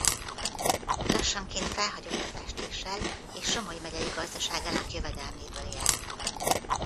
Lassanként felhagyott a festéssel és Somogy megyei gazdaságának jövedelméből élt.